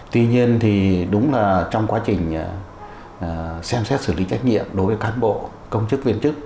tuy nhiên thì đúng là trong quá trình xem xét xử lý trách nhiệm đối với cán bộ công chức viên chức